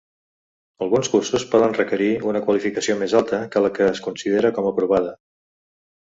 Alguns cursos poden requerir una qualificació més alta que la que es considera com aprovada.